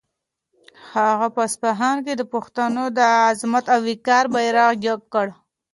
هغه په اصفهان کې د پښتنو د عظمت او وقار بیرغ جګ کړ.